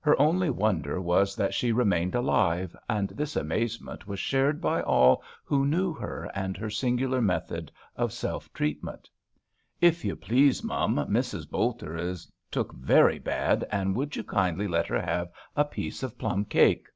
Her only wonder was that she remained alive, and this amazement was shared by all who knew her and her singular method of self treatment. "If you please, mum, Mrs. Bolter is took very bad, and would you kindly let her have a piece of plum cake.?"